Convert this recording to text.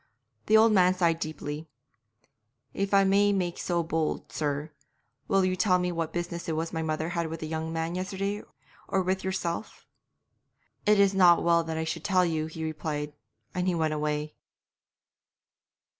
The old man sighed deeply. 'If I may make so bold, sir, will you tell me what business it was my mother had with the young man yesterday or with yourself?' 'It is not well that I should tell you,' he replied, and he went away.